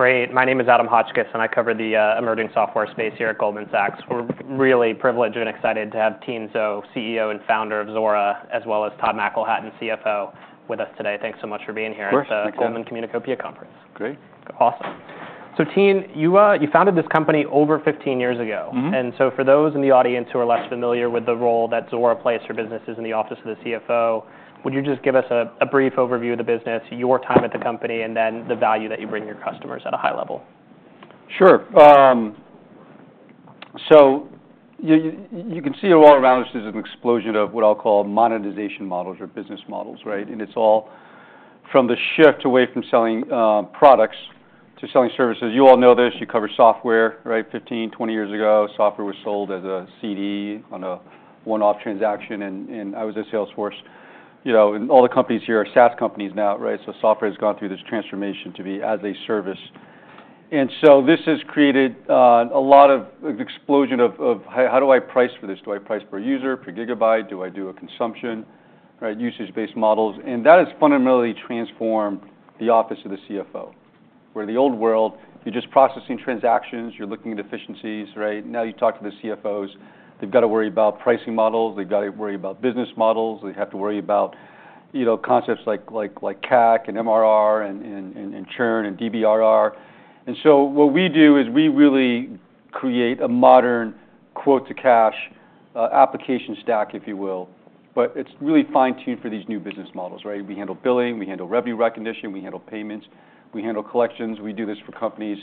Great. My name is Adam Hotchkiss, and I cover the emerging software space here at Goldman Sachs. We're really privileged and excited to have Tien Tzuo, CEO and founder of Zuora, as well as Todd McElhatton, CFO, with us today. Thanks so much for being here. Of course. at the Goldman Sachs Communacopia Conference. Great. Awesome. So, Tien, you founded this company over fifteen years ago. Mm-hmm. And so for those in the audience who are less familiar with the role that Zuora plays for businesses in the office of the CFO, would you just give us a brief overview of the business, your time at the company, and then the value that you bring your customers at a high level? Sure. So you can see all around us there's an explosion of what I'll call monetization models or business models, right? And it's all from the shift away from selling products to selling services. You all know this. You cover software, right? 15, 20 years ago, software was sold as a CD on a one-off transaction, and I was at Salesforce, you know, and all the companies here are SaaS companies now, right? So software has gone through this transformation to be as a service. And so this has created an explosion of how do I price for this? Do I price per user, per gigabyte? Do I do a consumption, right, usage-based models? And that has fundamentally transformed the office of the CFO, where the old world, you're just processing transactions, you're looking at efficiencies, right? Now, you talk to the CFOs, they've got to worry about pricing models, they've got to worry about business models, they have to worry about, you know, concepts like CAC and MRR and churn and DBRR. And so what we do is we really create a modern quote-to-cash application stack, if you will. But it's really fine-tuned for these new business models, right? We handle billing, we handle revenue recognition, we handle payments, we handle collections. We do this for companies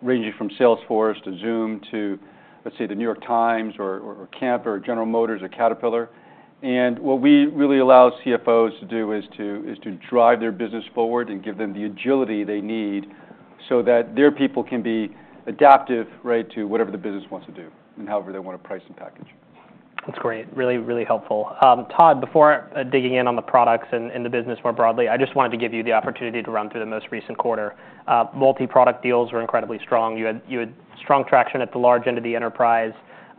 ranging from Salesforce to Zoom to, let's say, the New York Times or Camper or General Motors or Caterpillar. What we really allow CFOs to do is to drive their business forward and give them the agility they need, so that their people can be adaptive, right, to whatever the business wants to do and however they want to price and package. That's great. Really, really helpful. Todd, before digging in on the products and the business more broadly, I just wanted to give you the opportunity to run through the most recent quarter. Multi-product deals were incredibly strong. You had strong traction at the large end of the enterprise,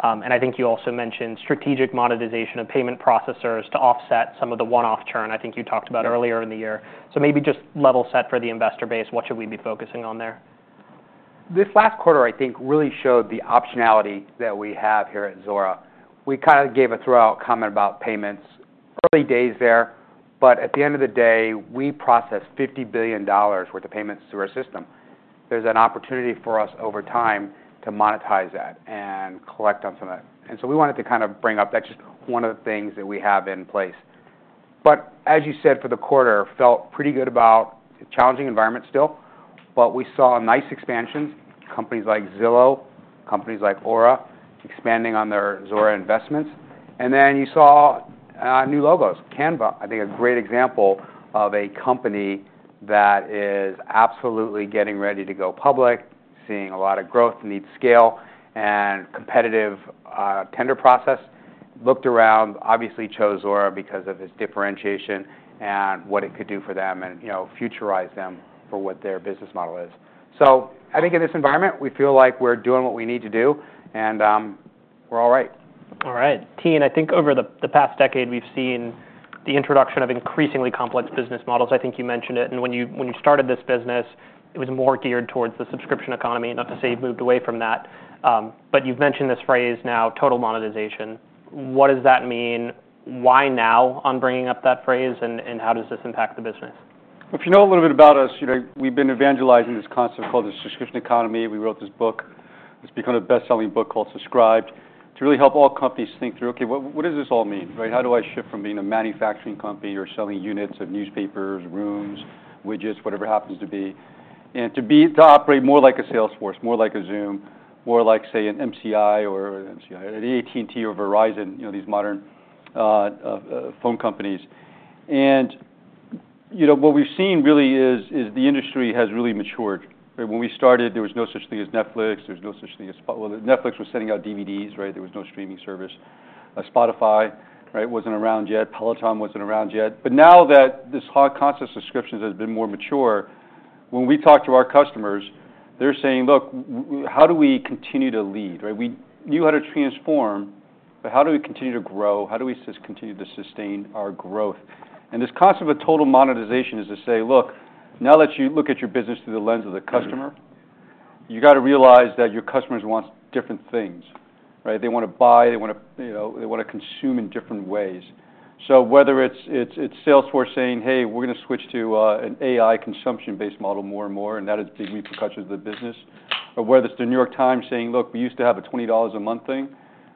and I think you also mentioned strategic monetization of payment processors to offset some of the one-off churn I think you talked about earlier in the year. So maybe just level set for the investor base, what should we be focusing on there? This last quarter, I think, really showed the optionality that we have here at Zuora. We kind of gave a throwaway comment about payments. Early days there, but at the end of the day, we process $50 billion worth of payments through our system. There's an opportunity for us over time to monetize that and collect on some of that. And so we wanted to kind of bring up, that's just one of the things that we have in place. But as you said, for the quarter, felt pretty good about the challenging environment still, but we saw a nice expansion, companies like Zillow, companies like Aura, expanding on their Zuora investments. And then you saw new logos. Canva, I think, a great example of a company that is absolutely getting ready to go public, seeing a lot of growth, needs scale, and competitive tender process. Looked around, obviously chose Zuora because of its differentiation and what it could do for them, and, you know, futurize them for what their business model is. So I think in this environment, we feel like we're doing what we need to do, and, we're all right. All right. Tien, I think over the past decade, we've seen the introduction of increasingly complex business models. I think you mentioned it, and when you started this business, it was more geared towards the subscription economy. Not to say you've moved away from that, but you've mentioned this phrase now, total monetization. What does that mean? Why now on bringing up that phrase, and how does this impact the business? If you know a little bit about us, you know, we've been evangelizing this concept called the subscription economy. We wrote this book, it's become a best-selling book called Subscribed, to really help all companies think through, Okay, what, what does this all mean, right? How do I shift from being a manufacturing company or selling units of newspapers, rooms, widgets, whatever it happens to be, and to be-- to operate more like a Salesforce, more like a Zoom, more like, say, an MCI, an AT&T or Verizon, you know, these modern phone companies. And, you know, what we've seen really is the industry has really matured, right? When we started, there was no such thing as Netflix, there was no such thing as... Well, Netflix was sending out DVDs, right? There was no streaming service. Spotify, right, wasn't around yet. Peloton wasn't around yet, but now that this whole concept of subscriptions has been more mature, when we talk to our customers, they're saying, "Look, how do we continue to lead, right? We knew how to transform, but how do we continue to grow? How do we continue to sustain our growth?" and this concept of a total monetization is to say, "Look, now that you look at your business through the lens of the customer, you got to realize that your customers want different things, right? They wanna buy, they wanna, you know, they wanna consume in different ways." So whether it's Salesforce saying, "Hey, we're gonna switch to an AI consumption-based model more and more, and that is the repercussions of the business," or whether it's the New York Times saying, "Look, we used to have a $20 a month thing,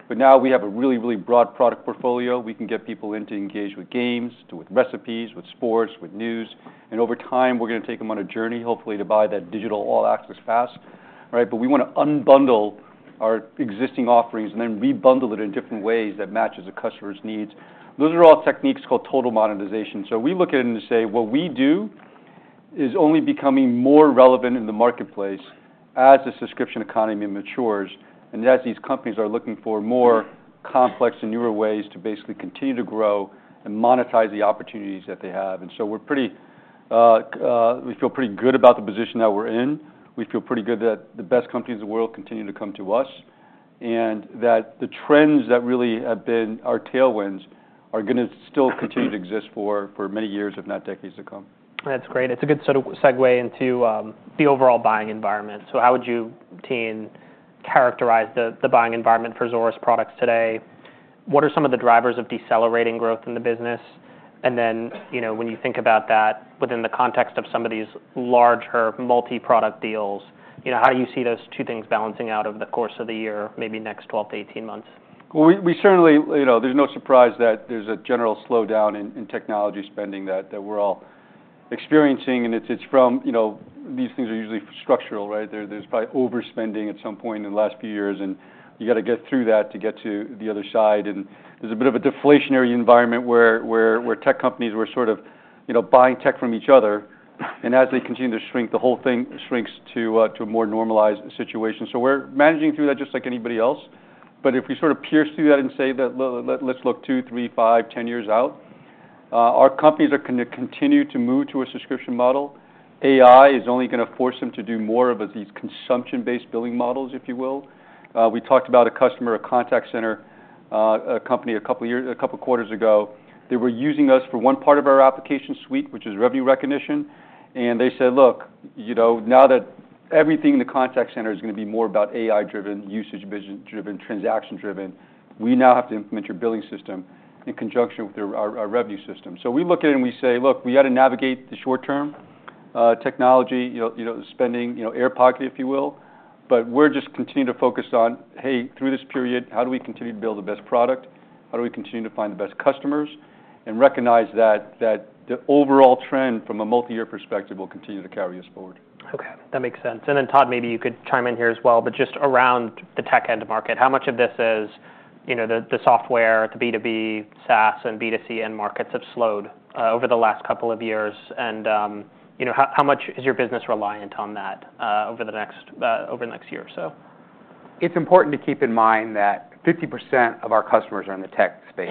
but now we have a really, really broad product portfolio. We can get people in to engage with games, with recipes, with sports, with news, and over time, we're gonna take them on a journey, hopefully to buy that digital all-access pass, right? But we wanna unbundle our existing offerings and then rebundle it in different ways that matches the customer's needs." Those are all techniques called Total Monetization. So we look at it and say, what we do is only becoming more relevant in the marketplace as the subscription economy matures, and as these companies are looking for more complex and newer ways to basically continue to grow and monetize the opportunities that they have. And so we're pretty, we feel pretty good about the position that we're in. We feel pretty good that the best companies in the world continue to come to us... and that the trends that really have been our tailwinds are gonna still continue to exist for many years, if not decades to come. That's great. It's a good sort of segue into the overall buying environment. So how would you, Tien, characterize the buying environment for Zuora's products today? What are some of the drivers of decelerating growth in the business? And then, you know, when you think about that within the context of some of these larger multi-product deals, you know, how do you see those two things balancing out over the course of the year, maybe next 12 to 18 months? We certainly, you know, there's no surprise that there's a general slowdown in technology spending that we're all experiencing, and it's from, you know, these things are usually structural, right? There's probably overspending at some point in the last few years, and you gotta get through that to get to the other side. There's a bit of a deflationary environment where tech companies were sort of, you know, buying tech from each other, and as they continue to shrink, the whole thing shrinks to a more normalized situation. We're managing through that just like anybody else. If we sort of pierce through that and say, "Let's look two, three, five, ten years out," our companies are gonna continue to move to a subscription model. AI is only gonna force them to do more of these consumption-based billing models, if you will. We talked about a customer, a contact center, a company, a couple quarters ago. They were using us for one part of our application suite, which is revenue recognition, and they said, "Look, you know, now that everything in the contact center is gonna be more about AI-driven, usage vision-driven, transaction-driven, we now have to implement your billing system in conjunction with our revenue system." So we look at it and we say, look, we had to navigate the short term, technology, you know, spending, you know, air pocket, if you will, but we're just continuing to focus on, "Hey, through this period, how do we continue to build the best product? How do we continue to find the best customers and recognize that the overall trend from a multi-year perspective will continue to carry us forward. Okay, that makes sense. And then, Todd, maybe you could chime in here as well, but just around the tech end market, how much of this is, you know, the software, the B2B, SaaS, and B2C end markets have slowed over the last couple of years, and, you know, how much is your business reliant on that over the next year or so? It's important to keep in mind that 50% of our customers are in the tech space.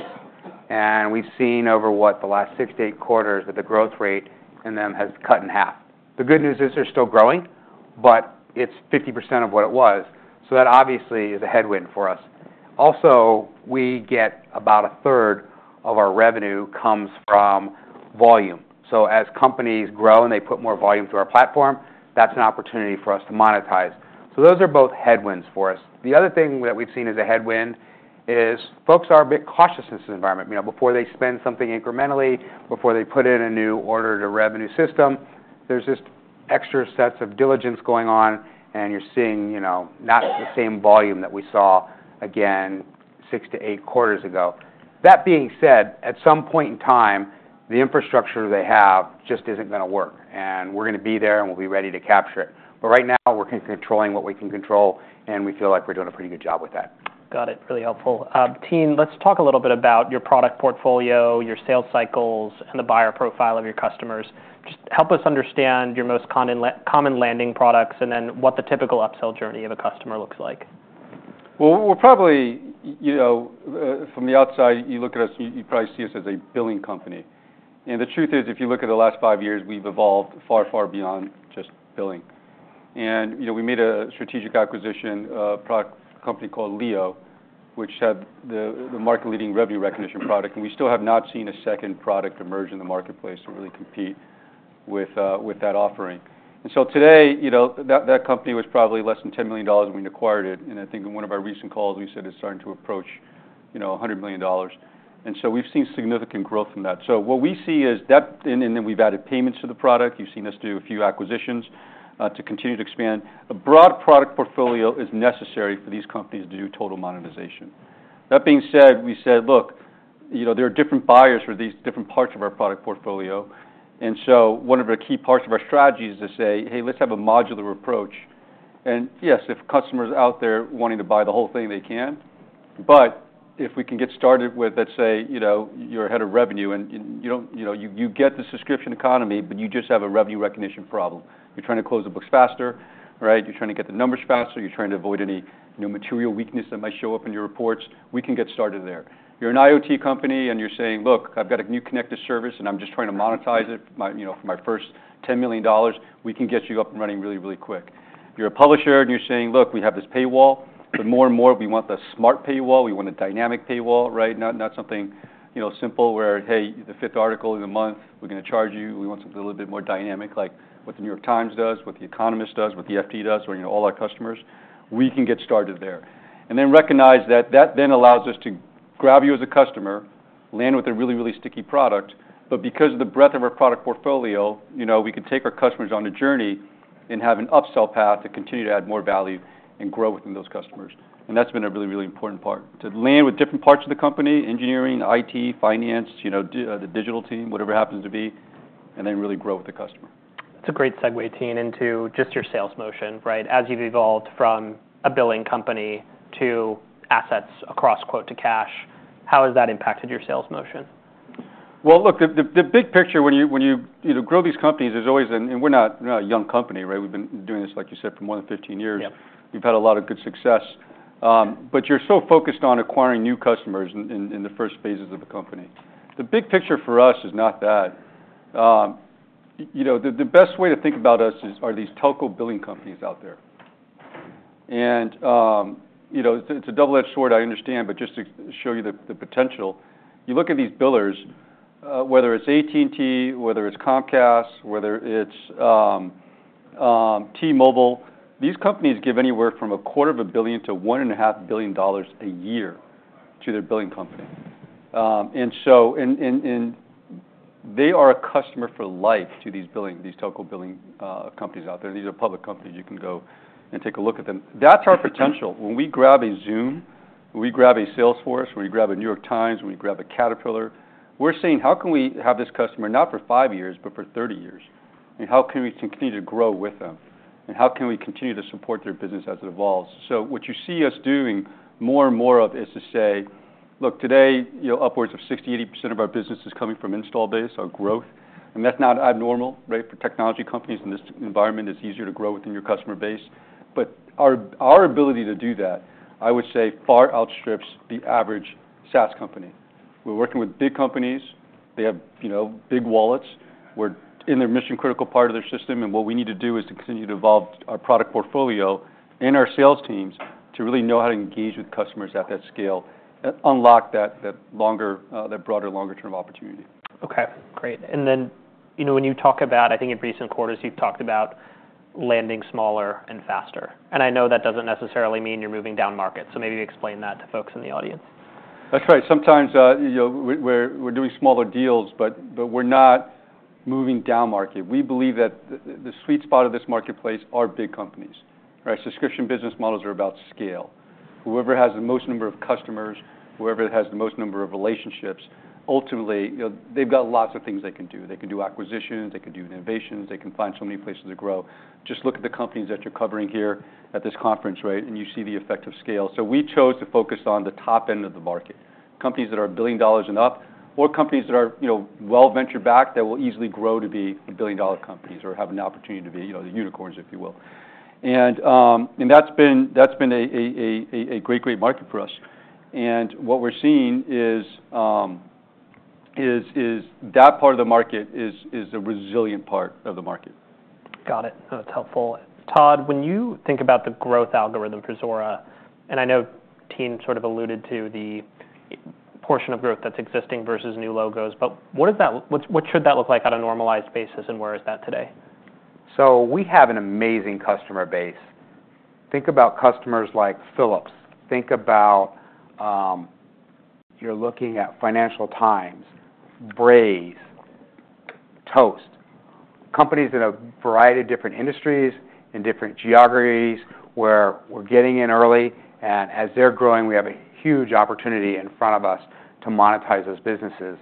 And we've seen over, what, the last six-to-eight quarters, that the growth rate in them has cut in half. The good news is, they're still growing, but it's 50% of what it was, so that obviously is a headwind for us. Also, we get about a third of our revenue comes from volume. So as companies grow and they put more volume through our platform, that's an opportunity for us to monetize. So those are both headwinds for us. The other thing that we've seen as a headwind is, folks are a bit cautious in this environment. You know, before they spend something incrementally, before they put in a new order-to-revenue system, there's just extra sets of diligence going on, and you're seeing, you know, not the same volume that we saw, again, six to eight quarters ago. That being said, at some point in time, the infrastructure they have just isn't gonna work, and we're gonna be there, and we'll be ready to capture it. But right now, we're controlling what we can control, and we feel like we're doing a pretty good job with that. Got it. Really helpful. Tien, let's talk a little bit about your product portfolio, your sales cycles, and the buyer profile of your customers. Just help us understand your most common landing products, and then what the typical upsell journey of a customer looks like. We're probably. You know, from the outside, you look at us, you probably see us as a billing company. And the truth is, if you look at the last five years, we've evolved far, far beyond just billing. And, you know, we made a strategic acquisition, a product company called Leeyo, which had the market-leading revenue recognition product, and we still have not seen a second product emerge in the marketplace to really compete with that offering. And so today, you know, that company was probably less than $10 million when we acquired it, and I think in one of our recent calls, we said it's starting to approach, you know, $100 million. And so we've seen significant growth from that. What we see is depth, and then we've added payments to the product. You've seen us do a few acquisitions to continue to expand. A broad product portfolio is necessary for these companies to do total monetization. That being said, we said: Look, you know, there are different buyers for these different parts of our product portfolio. And so one of the key parts of our strategy is to say, "Hey, let's have a modular approach." And yes, if a customer's out there wanting to buy the whole thing, they can. But if we can get started with, let's say, you know, you're a head of revenue, and you don't. You know, you get the subscription economy, but you just have a revenue recognition problem. You're trying to close the books faster, right? You're trying to get the numbers faster. You're trying to avoid any new material weakness that might show up in your reports. We can get started there. You're an IoT company, and you're saying, "Look, I've got a new connected service, and I'm just trying to monetize it, you know, for my first $10 million." We can get you up and running really, really quick. You're a publisher, and you're saying, "Look, we have this paywall, but more and more, we want the smart paywall. We want a dynamic paywall," right? Not something, you know, simple, where, hey, the fifth article in a month, we're gonna charge you. We want something a little bit more dynamic, like what The New York Times does, what The Economist does, what the FT does, or, you know, all our customers. We can get started there. And then recognize that that then allows us to grab you as a customer, land with a really, really sticky product, but because of the breadth of our product portfolio, you know, we can take our customers on a journey and have an upsell path to continue to add more value and grow within those customers. And that's been a really, really important part, to land with different parts of the company, engineering, IT, finance, you know, the digital team, whatever it happens to be, and then really grow with the customer. That's a great segue, Tien, into just your sales motion, right? As you've evolved from a billing company to assets across quote to cash, how has that impacted your sales motion? Look, the big picture when you, you know, grow these companies is always. We're not a young company, right? We've been doing this, like you said, for more than 15 years. Yep. We've had a lot of good success. But you're so focused on acquiring new customers in the first phases of the company. The big picture for us is not that. You know, the best way to think about us is these telco billing companies out there. And you know, it's a double-edged sword, I understand, but just to show you the potential, you look at these billers, whether it's AT&T, whether it's Comcast, whether it's T-Mobile. These companies give anywhere from $250 million to $1.5 billion a year to their billing company. And they are a customer for life to these telco billing companies out there. These are public companies. You can go and take a look at them. That's our potential. When we grab a Zoom, when we grab a Salesforce, when we grab a New York Times, when we grab a Caterpillar, we're saying: How can we have this customer, not for five years, but for thirty years? And how can we continue to grow with them, and how can we continue to support their business as it evolves? So what you see us doing more and more of is to say... Look, today, you know, upwards of 60%-80% of our business is coming from install base, our growth, and that's not abnormal, right? For technology companies in this environment, it's easier to grow within your customer base. But our ability to do that, I would say, far outstrips the average SaaS company. We're working with big companies. They have, you know, big wallets. We're in their mission-critical part of their system, and what we need to do is to continue to evolve our product portfolio and our sales teams to really know how to engage with customers at that scale, unlock that broader, longer-term opportunity. Okay, great. And then, you know, when you talk about, I think in recent quarters, you've talked about landing smaller and faster, and I know that doesn't necessarily mean you're moving down market, so maybe explain that to folks in the audience. That's right. Sometimes, you know, we're doing smaller deals, but we're not moving down market. We believe that the sweet spot of this marketplace are big companies, right? Subscription business models are about scale. Whoever has the most number of customers, whoever has the most number of relationships, ultimately, you know, they've got lots of things they can do. They can do acquisitions, they can do innovations, they can find so many places to grow. Just look at the companies that you're covering here at this conference, right? And you see the effect of scale. So we chose to focus on the top end of the market, companies that are a billion dollars and up, or companies that are, you know, well venture-backed, that will easily grow to be billion-dollar companies or have an opportunity to be, you know, the unicorns, if you will. And that's been a great market for us. And what we're seeing is that part of the market is the resilient part of the market. Got it. That's helpful. Todd, when you think about the growth algorithm for Zuora, and I know team sort of alluded to the portion of growth that's existing versus new logos, but what does that—what should that look like on a normalized basis, and where is that today? So we have an amazing customer base. Think about customers like Philips. Think about. You're looking at Financial Times, Braze, Toast, companies in a variety of different industries and different geographies where we're getting in early, and as they're growing, we have a huge opportunity in front of us to monetize those businesses.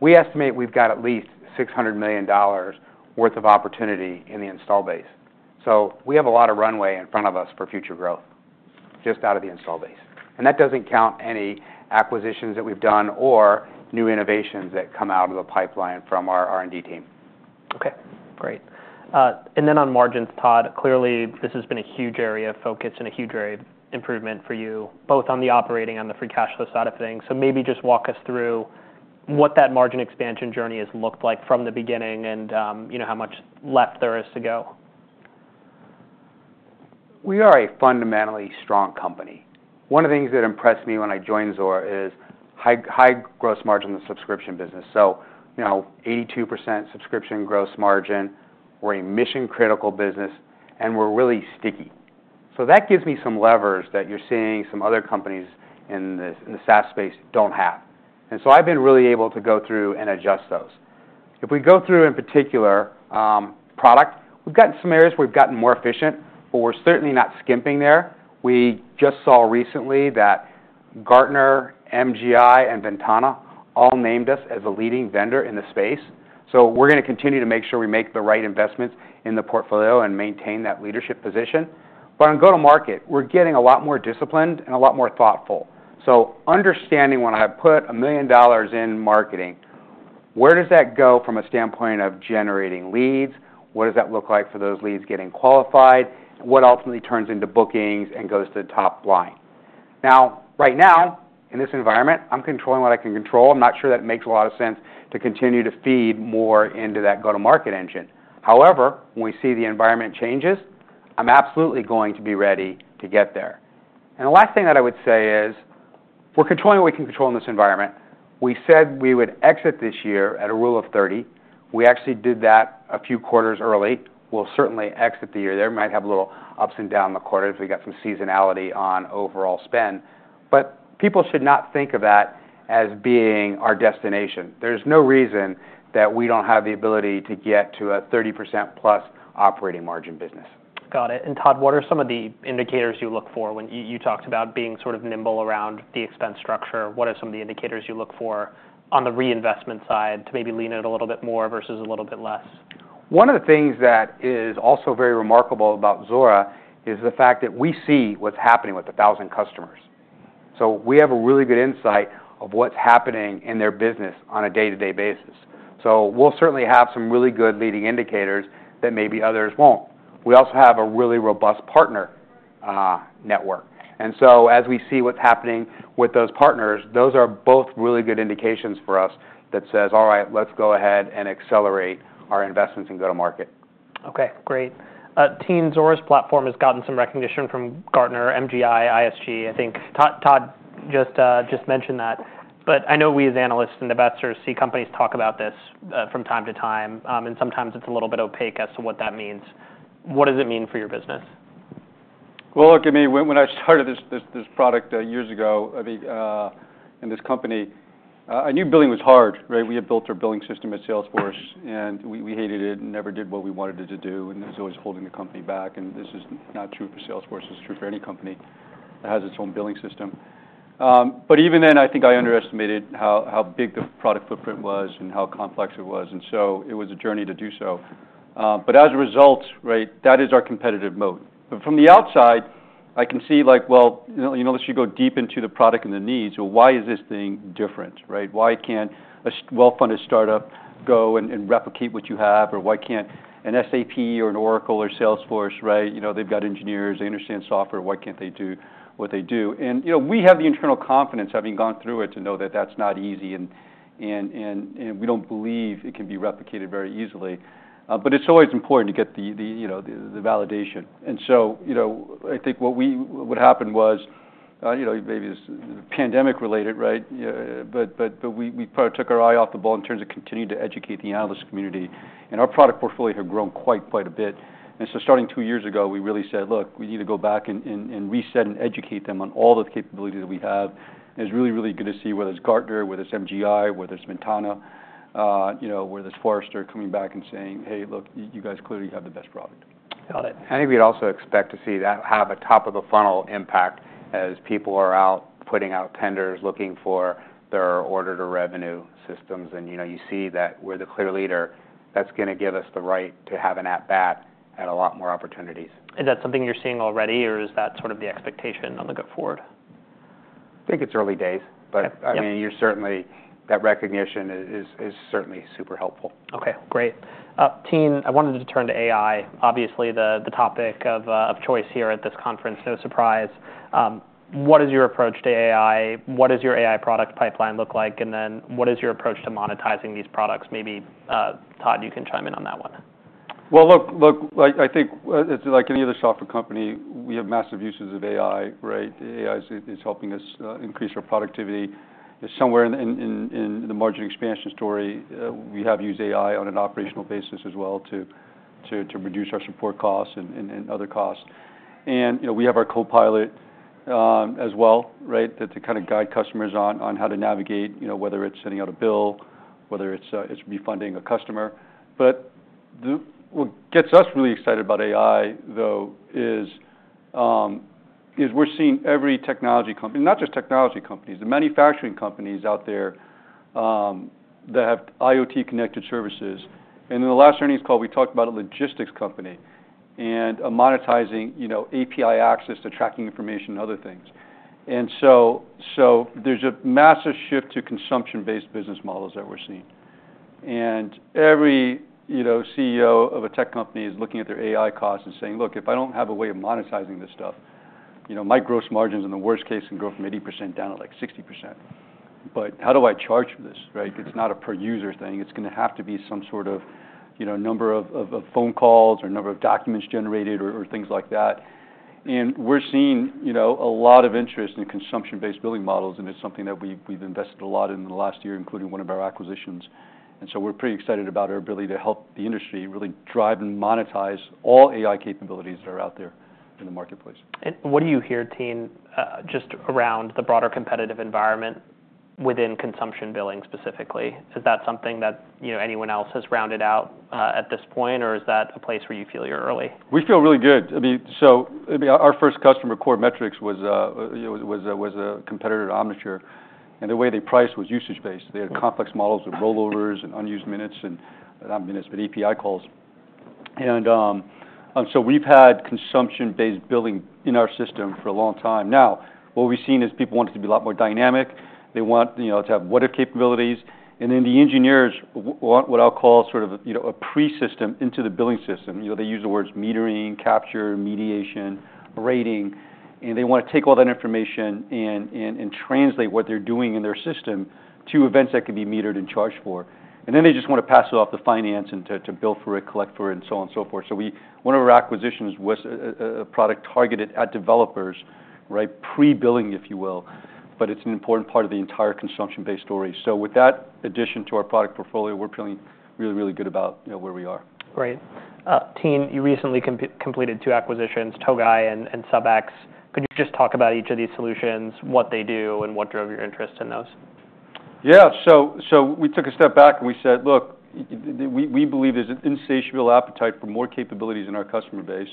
We estimate we've got at least $600 million worth of opportunity in the installed base. So we have a lot of runway in front of us for future growth, just out of the installed base, and that doesn't count any acquisitions that we've done or new innovations that come out of the pipeline from our R&D team. Okay, great. And then on margins, Todd, clearly, this has been a huge area of focus and a huge area of improvement for you, both on the operating and the free cash flow side of things. So maybe just walk us through what that margin expansion journey has looked like from the beginning and, you know, how much left there is to go? We are a fundamentally strong company. One of the things that impressed me when I joined Zuora is high, high gross margin in the subscription business. So, you know, 82% subscription gross margin. We're a mission-critical business, and we're really sticky. So that gives me some levers that you're seeing some other companies in the SaaS space don't have, and so I've been really able to go through and adjust those. If we go through, in particular, product, we've gotten some areas more efficient, but we're certainly not skimping there. We just saw recently that Gartner, MGI, and Ventana all named us as a leading vendor in the space. So we're gonna continue to make sure we make the right investments in the portfolio and maintain that leadership position, but on go-to-market, we're getting a lot more disciplined and a lot more thoughtful. Understanding when I put $1 million in marketing, where does that go from a standpoint of generating leads? What does that look like for those leads getting qualified? What ultimately turns into bookings and goes to the top line? Now, right now, in this environment, I'm controlling what I can control. I'm not sure that it makes a lot of sense to continue to feed more into that go-to-market engine. However, when we see the environment changes, I'm absolutely going to be ready to get there. And the last thing that I would say is, we're controlling what we can control in this environment. We said we would exit this year at the Rule of 30. We actually did that a few quarters early. We'll certainly exit the year there. Might have little ups and downs in the quarters. We got some seasonality on overall spend. But people should not think of that as being our destination. There's no reason that we don't have the ability to get to a 30%-plus operating margin business. Got it. And Todd, what are some of the indicators you look for when... You talked about being sort of nimble around the expense structure. What are some of the indicators you look for on the reinvestment side to maybe lean in a little bit more versus a little bit less? One of the things that is also very remarkable about Zuora is the fact that we see what's happening with a thousand customers. So we have a really good insight of what's happening in their business on a day-to-day basis. So we'll certainly have some really good leading indicators that maybe others won't. We also have a really robust partner network. And so as we see what's happening with those partners, those are both really good indications for us that says, "All right, let's go ahead and accelerate our investments and go to market. Okay, great. Zuora's platform has gotten some recognition from Gartner, MGI, ISG. I think Todd just mentioned that, but I know we, as analysts and investors, see companies talk about this from time to time, and sometimes it's a little bit opaque as to what that means. What does it mean for your business? Look, I mean, when I started this product years ago, I mean, and this company, I knew billing was hard, right? We had built our billing system at Salesforce, and we hated it, and it never did what we wanted it to do, and it was always holding the company back. This is not true for Salesforce, it's true for any company that has its own billing system. Even then, I think I underestimated how big the product footprint was and how complex it was, and so it was a journey to do so. As a result, right, that is our competitive mode. From the outside, I can see, like, well, you know, unless you go deep into the product and the needs, well, why is this thing different, right? Why can't a well-funded startup go and replicate what you have or why can't an SAP or an Oracle or Salesforce, right? You know, they've got engineers, they understand software, why can't they do what they do? And, you know, we have the internal confidence, having gone through it, to know that that's not easy, and we don't believe it can be replicated very easily. But it's always important to get the validation. And so, you know, I think what happened was, you know, maybe this pandemic-related, right? But we probably took our eye off the ball in terms of continuing to educate the analyst community, and our product portfolio had grown quite a bit. So starting two years ago, we really said: Look, we need to go back and reset and educate them on all the capabilities that we have. It's really, really good to see, whether it's Gartner, whether it's MGI, whether it's Ventana, you know, whether it's Forrester coming back and saying, "Hey, look, you guys clearly have the best product. Got it. I think we'd also expect to see that have a top-of-the-funnel impact as people are out, putting out tenders, looking for their order to revenue systems, and, you know, you see that we're the clear leader. That's gonna give us the right to have an at-bat and a lot more opportunities. Is that something you're seeing already, or is that sort of the expectation on the go forward? I think it's early days, but- Okay. Yeah I mean, you're certainly, that recognition is certainly super helpful. Okay, great. Tien, I wanted to turn to AI. Obviously, the topic of choice here at this conference, no surprise. What is your approach to AI? What does your AI product pipeline look like? And then, what is your approach to monetizing these products? Maybe, Todd, you can chime in on that one. Look, look, like, I think it's like any other software company. We have massive uses of AI, right? AI is helping us increase our productivity. It's somewhere in the margin expansion story. We have used AI on an operational basis as well, to reduce our support costs and other costs. You know, we have our copilot as well, right? To kind of guide customers on how to navigate, you know, whether it's sending out a bill, whether it's refunding a customer. But what gets us really excited about AI, though, is we're seeing every technology company. Not just technology companies, the manufacturing companies out there that have IoT-connected services. And in the last earnings call, we talked about a logistics company, and monetizing, you know, API access to tracking information and other things. And so there's a massive shift to consumption-based business models that we're seeing. And every, you know, CEO of a tech company is looking at their AI costs and saying: Look, if I don't have a way of monetizing this stuff, you know, my gross margins, in the worst case, can go from 80% down to, like, 60%. But how do I charge for this, right? It's not a per-user thing. It's gonna have to be some sort of, you know, number of phone calls or number of documents generated or things like that. We're seeing, you know, a lot of interest in consumption-based billing models, and it's something that we've invested a lot in the last year, including one of our acquisitions. So we're pretty excited about our ability to help the industry really drive and monetize all AI capabilities that are out there in the marketplace. What do you hear, team, just around the broader competitive environment within consumption billing specifically? Is that something that, you know, anyone else has rounded out, at this point, or is that a place where you feel you're early? We feel really good. I mean, so, I mean, our first customer, Coremetrics, was, you know, a competitor to Omniture, and the way they priced was usage-based. They had complex models of rollovers and unused minutes, and not minutes, but API calls. And so we've had consumption-based billing in our system for a long time now. What we've seen is people wanting to be a lot more dynamic. They want, you know, to have wider capabilities. And then the engineers, what I'll call sort of, you know, a pre-system into the billing system. You know, they use the words metering, capture, mediation, rating, and they wanna take all that information and translate what they're doing in their system to events that can be metered and charged for. And then they just wanna pass it off to finance and to bill for it, collect for it, and so on, so forth. So one of our acquisitions was a product targeted at developers, right? Pre-billing, if you will, but it's an important part of the entire consumption-based story. So with that addition to our product portfolio, we're feeling really, really good about, you know, where we are. Great. Team, you recently completed two acquisitions, Togai and Sub(x). Could you just talk about each of these solutions, what they do, and what drove your interest in those? Yeah. So we took a step back, and we said, "Look, we believe there's an insatiable appetite for more capabilities in our customer base."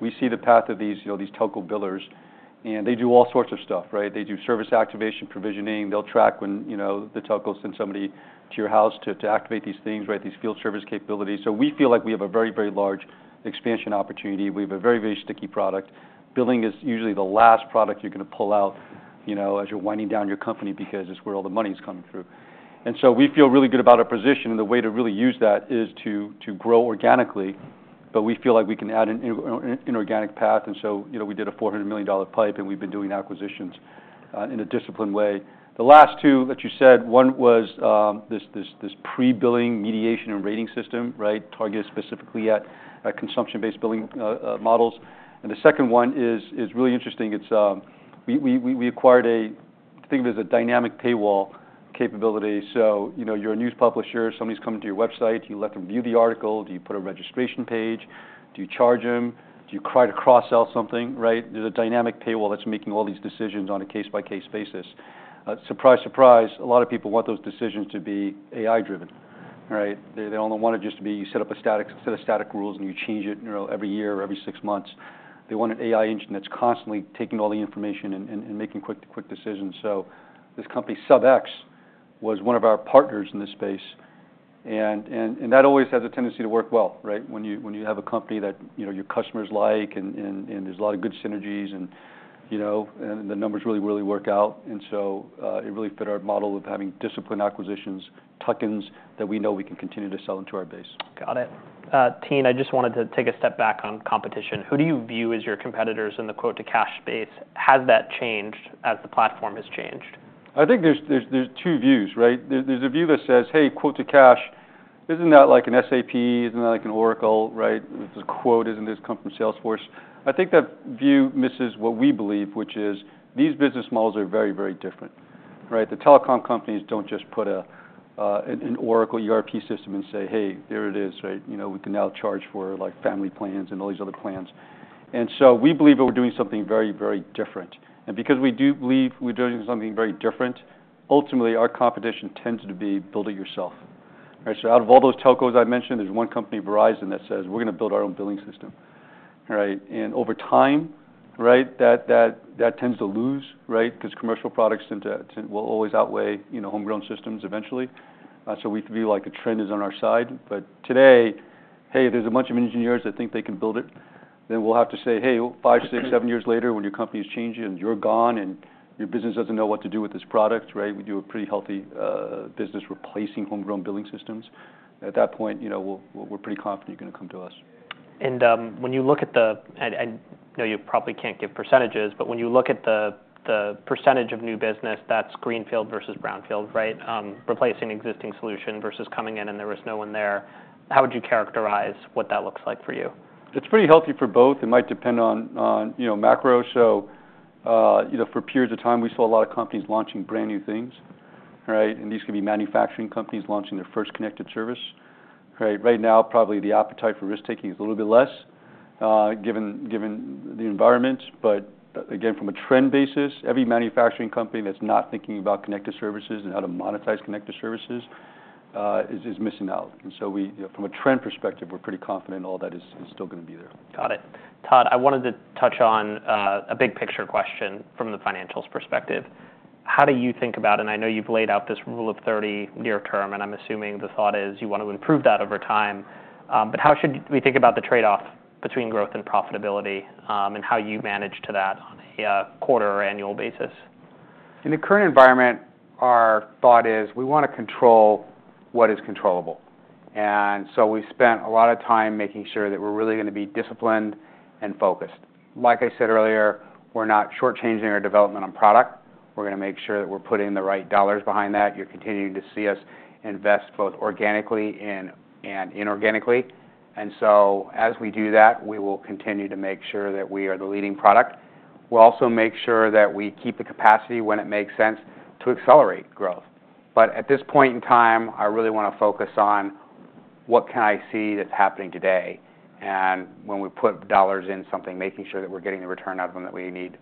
We see the path of these, you know, these telco billers, and they do all sorts of stuff, right? They do service activation, provisioning. They'll track when, you know, the telco sends somebody to your house to activate these things, right? These field service capabilities. So we feel like we have a very, very large expansion opportunity. We have a very, very sticky product. Billing is usually the last product you're gonna pull out, you know, as you're winding down your company because it's where all the money's coming through.... And so we feel really good about our position, and the way to really use that is to grow organically. But we feel like we can add an inorganic path, and so, you know, we did a $400 million pipeline, and we've been doing acquisitions in a disciplined way. The last two that you said, one was this pre-billing, mediation, and rating system, right? Targeted specifically at consumption-based billing models. And the second one is really interesting. It's we acquired a think of it as a dynamic paywall capability. So, you know, you're a news publisher, somebody's coming to your website. Do you let them view the article? Do you put a registration page? Do you charge them? Do you try to cross-sell something, right? There's a dynamic paywall that's making all these decisions on a case-by-case basis. Surprise, surprise, a lot of people want those decisions to be AI-driven, right? They don't want it just to be you set up a static set of static rules, and you change it, you know, every year or every six months. They want an AI engine that's constantly taking all the information and making quick decisions. So this company, Sub(x), was one of our partners in this space, and that always has a tendency to work well, right? When you have a company that, you know, your customers like, and there's a lot of good synergies and, you know, and the numbers really work out. And so, it really fit our model of having disciplined acquisitions, tuck-ins, that we know we can continue to sell into our base. Got it. Tien, I just wanted to take a step back on competition. Who do you view as your competitors in the quote-to-cash space? Has that changed as the platform has changed? I think there's two views, right? There's a view that says, "Hey, quote-to-cash, isn't that like an SAP? Isn't that like an Oracle, right? If there's a quote, doesn't this come from Salesforce?" I think that view misses what we believe, which is these business models are very, very different, right? The telecom companies don't just put an Oracle ERP system and say, "Hey, there it is," right? "You know, we can now charge for, like, family plans and all these other plans." And so we believe that we're doing something very, very different. And because we do believe we're doing something very, very different, ultimately, our competition tends to be build-it-yourself, right? So out of all those telcos I mentioned, there's one company, Verizon, that says: We're gonna build our own billing system, right? Over time, right, that tends to lose, right? Because commercial products tend to will always outweigh, you know, homegrown systems eventually. We feel like the trend is on our side. Today, hey, there's a bunch of engineers that think they can build it. We'll have to say, "Hey, five, six, seven years later, when your company is changing and you're gone and your business doesn't know what to do with this product," right. We do a pretty healthy business replacing homegrown billing systems. At that point, you know, we're pretty confident you're gonna come to us. When you look at the, and I know you probably can't give percentages, but when you look at the percentage of new business, that's greenfield versus brownfield, right? Replacing existing solution versus coming in, and there was no one there. How would you characterize what that looks like for you? It's pretty healthy for both. It might depend on you know, macro. You know, for periods of time, we saw a lot of companies launching brand-new things, right? And these could be manufacturing companies launching their first connected service, right? Right now, probably the appetite for risk-taking is a little bit less, given the environment. Again, from a trend basis, every manufacturing company that's not thinking about connected services and how to monetize connected services is missing out. And so we. From a trend perspective, we're pretty confident all that is still gonna be there. Got it. Todd, I wanted to touch on a big-picture question from the financials perspective. How do you think about... And I know you've laid out this Rule of 30 near term, and I'm assuming the thought is you want to improve that over time, but how should we think about the trade-off between growth and profitability, and how you manage to that on a quarter or annual basis? In the current environment, our thought is we wanna control what is controllable. And so we've spent a lot of time making sure that we're really gonna be disciplined and focused. Like I said earlier, we're not short-changing our development on product. We're gonna make sure that we're putting the right dollars behind that. You're continuing to see us invest both organically and inorganically. And so as we do that, we will continue to make sure that we are the leading product. We'll also make sure that we keep the capacity when it makes sense to accelerate growth. But at this point in time, I really wanna focus on: What can I see that's happening today? And when we put dollars in something, making sure that we're getting the return out of them that we need.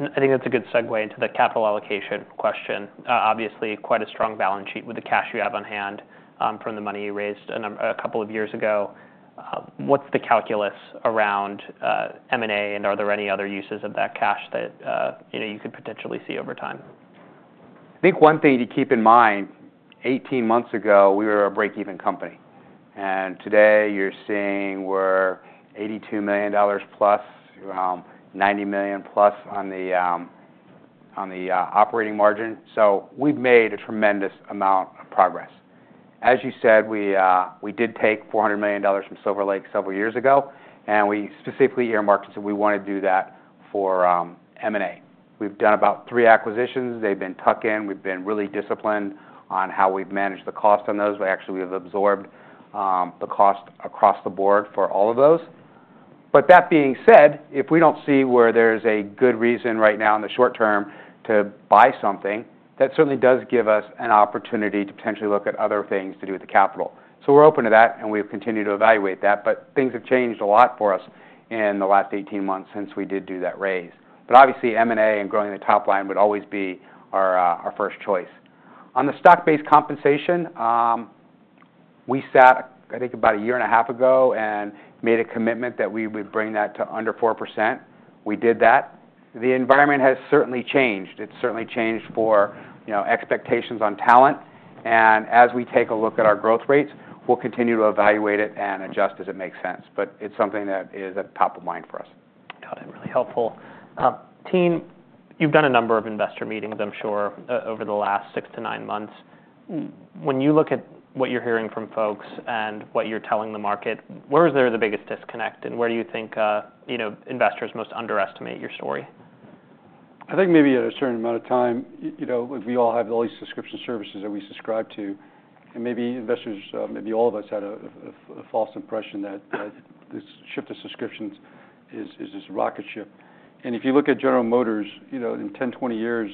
I think that's a good segue into the capital allocation question. Obviously, quite a strong balance sheet with the cash you have on hand, from the money you raised a couple of years ago. What's the calculus around M&A, and are there any other uses of that cash that, you know, you could potentially see over time? I think one thing to keep in mind, eighteen months ago, we were a break-even company, and today you're seeing we're $82 million plus, $90 million plus on the operating margin. So we've made a tremendous amount of progress. As you said, we did take $400 million from Silver Lake several years ago, and we specifically earmarked, so we wanna do that for M&A. We've done about three acquisitions. They've been tuck-in. We've been really disciplined on how we've managed the cost on those. We actually have absorbed the cost across the board for all of those. But that being said, if we don't see where there's a good reason right now in the short term to buy something, that certainly does give us an opportunity to potentially look at other things to do with the capital. So we're open to that, and we've continued to evaluate that, but things have changed a lot for us in the last eighteen months since we did do that raise. But obviously, M&A and growing the top line would always be our first choice. On the stock-based compensation, we sat, I think, about a year and a half ago and made a commitment that we would bring that to under 4%. We did that. The environment has certainly changed. It's certainly changed for, you know, expectations on talent, and as we take a look at our growth rates, we'll continue to evaluate it and adjust as it makes sense. But it's something that is at the top of mind for us.... Todd, and really helpful. Tien, you've done a number of investor meetings, I'm sure, over the last six to nine months. When you look at what you're hearing from folks and what you're telling the market, where is there the biggest disconnect, and where do you think, you know, investors most underestimate your story? I think maybe at a certain amount of time, you know, we all have all these subscription services that we subscribe to, and maybe investors, maybe all of us had a false impression that this shift to subscriptions is this rocket ship. And if you look at General Motors, you know, in 10 years-20 years,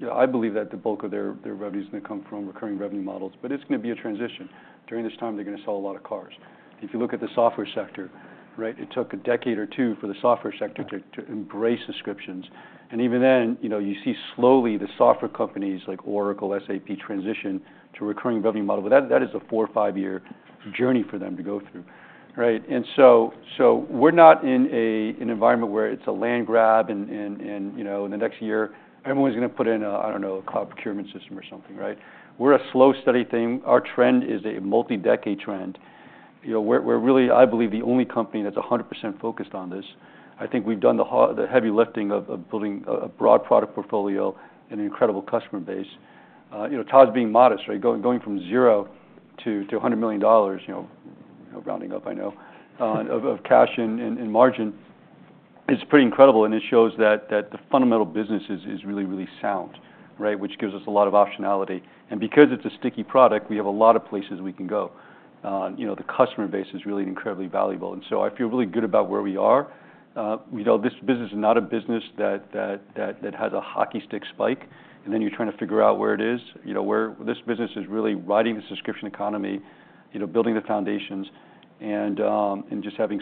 you know, I believe that the bulk of their revenue is gonna come from recurring revenue models, but it's gonna be a transition. During this time, they're gonna sell a lot of cars. If you look at the software sector, right, it took a decade or two for the software sector to embrace subscriptions. And even then, you know, you see slowly the software companies like Oracle, SAP, transition to a recurring revenue model. But that is a four- to five-year journey for them to go through, right? And so we're not in an environment where it's a land grab, and you know, in the next year, everyone's gonna put in a, I don't know, a cloud procurement system or something, right? We're a slow, steady thing. Our trend is a multi-decade trend. You know, we're really, I believe, the only company that's 100% focused on this. I think we've done the heavy lifting of building a broad product portfolio and an incredible customer base. You know, Todd's being modest, right? Going from zero to $100 million, you know, rounding up, I know, of cash and margin is pretty incredible, and it shows that the fundamental business is really sound, right? Which gives us a lot of optionality, and because it's a sticky product, we have a lot of places we can go. You know, the customer base is really incredibly valuable, and so I feel really good about where we are. We know this business is not a business that has a hockey stick spike, and then you're trying to figure out where it is. You know, where this business is really riding the subscription economy, you know, building the foundations and just having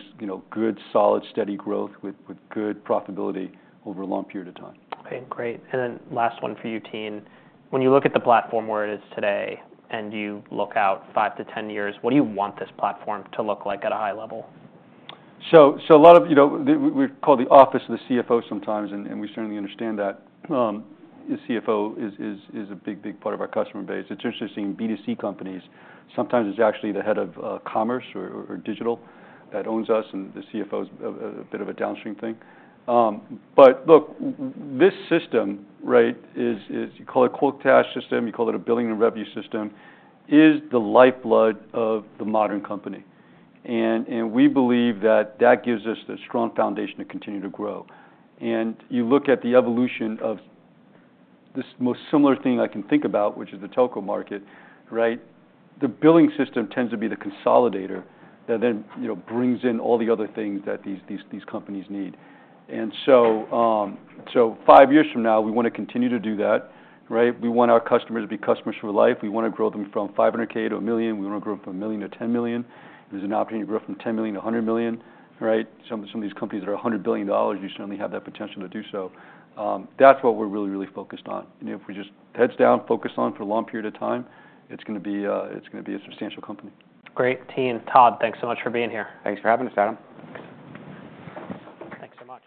good, solid, steady growth with good profitability over a long period of time. Okay, great. And then last one for you, Tien. When you look at the platform where it is today, and you look out five to ten years, what do you want this platform to look like at a high level? A lot of you know, we're called the office of the CFO sometimes, and we certainly understand that. The CFO is a big part of our customer base. It's interesting, B2C companies, sometimes it's actually the head of commerce or digital that owns us, and the CFO's a bit of a downstream thing. But look, this system, right, is you call it quote-to-cash system, you call it a billing and revenue system, is the lifeblood of the modern company, and we believe that that gives us the strong foundation to continue to grow, and you look at the evolution of this most similar thing I can think about, which is the telco market, right? The billing system tends to be the consolidator that then, you know, brings in all the other things that these companies need. And so five years from now, we wanna continue to do that, right? We want our customers to be customers for life. We wanna grow them from $500K to $1 million. We wanna grow from $1 million to $10 million. There's an opportunity to grow from $10 million to $100 million, right? Some of these companies that are $100 billion, you certainly have that potential to do so. That's what we're really, really focused on. And if we just heads down, focus on for a long period of time, it's gonna be a substantial company. Great. Tien, Todd, thanks so much for being here. Thanks for having us, Adam. Thanks so much.